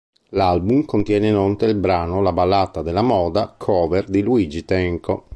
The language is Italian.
L'album contiene inoltre il brano "La ballata della moda", cover di Luigi Tenco.